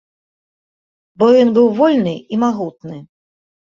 Бо ён быў вольны і магутны.